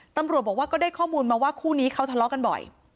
ตำรวจบอกว่าก็ได้ข้อมูลมาว่าคู่นี้เขาทะเลาะกันบ่อย